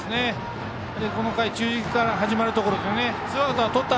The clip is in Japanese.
この回中軸から始まるところでツーアウトとった